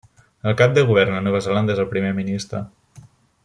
El cap de govern a Nova Zelanda és el Primer Ministre.